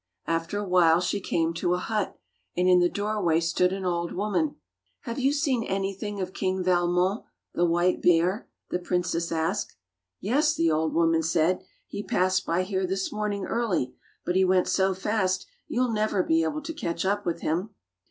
After a while she came to a hut, and in the doorway stood an old woman. ''Have you seen anything of King Valmon, the white bear.^" the princess asked. "Yes," the old woman said, "he passed by here this morning early, but he went so fast you'll never be able to catch up with him."